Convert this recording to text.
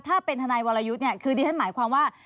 ถ้าเป็นทนายวรยุทธ์เนี่ยคือดิฉันหมายความว่า